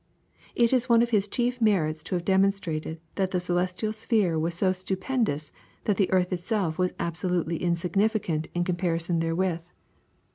It is one of his chief merits to have demonstrated that the celestial sphere was so stupendous that the earth itself was absolutely insignificant in comparison therewith.